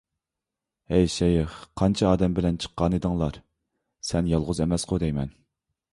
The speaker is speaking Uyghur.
ھەي شەيخ، قانچە ئادەم بىللە چىققانىدىڭلار؟ سەن يالغۇز ئەمەسقۇ دەيمەن!